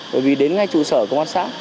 bởi vì đến ngay trụ sở công an xã